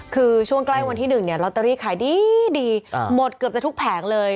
คือช่วงใกล้วันที่๑เนี่ยลอตเตอรี่ขายดีหมดเกือบจะทุกแผงเลย